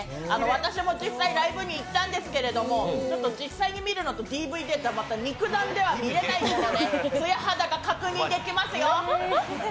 私も実際ライブに行ったんですけどもちょっと実際に見るのとＤＶＤだと、肉眼では見えないツヤ肌が確認できますよ。